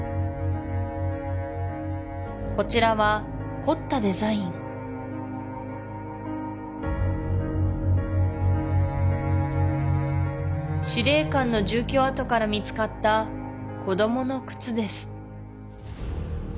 こちらは凝ったデザイン司令官の住居跡から見つかった子どもの靴です